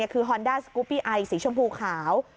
คือฮอนด้าสกุปปี้ไอสีชมพูขาว